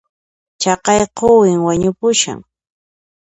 Chaqay quwin wañupushan